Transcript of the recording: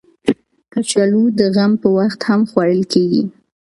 کچالو د غم په وخت هم خوړل کېږي